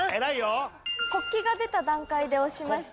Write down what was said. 国旗が出た段階で押しました。